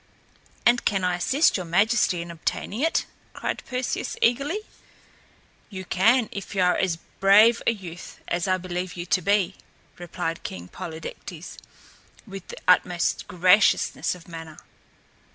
"And can I assist your Majesty in obtaining it?" cried Perseus, eagerly. "You can if you are as brave a youth as I believe you to be," replied King Polydectes with the utmost graciousness of manner.